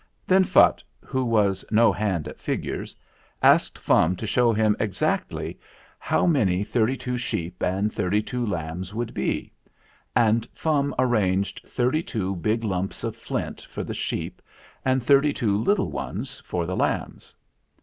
Then Phutt, who was no hand at figures, asked Fum to show him exactly how many thirty two sheep and thirty two lambs would be, and Fum arranged thirty two big lumps 30 THE FLINT HEART of flint for the sheep and thirty two little ones for the lambs.